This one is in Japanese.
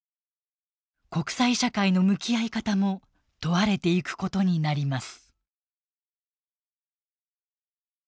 国際社会の向き合い方も問われていくことになります。